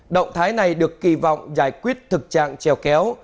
động thái này được kỳ vọng giải quyết thực trạng trèo kéo